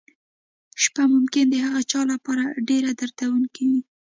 شپه ممکن د هغه چا لپاره ډېره دردونکې وي.